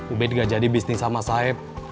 ubed gak jadi bisnis sama saib